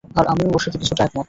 আর আমিও ওর সাথে কিছুটা একমত।